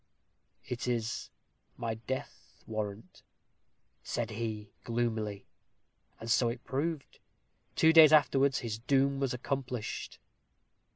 'It is my death warrant,' said he, gloomily. And so it proved; two days afterwards his doom was accomplished."